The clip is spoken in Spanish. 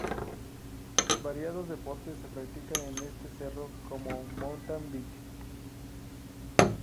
Variados deportes se practican en este cerro como Mountain bike.